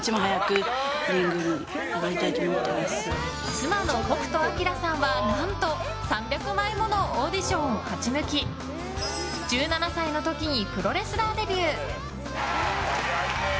妻の北斗晶さんは何と３００倍ものオーディションを勝ち抜き１７歳の時にプロレスラーデビュー！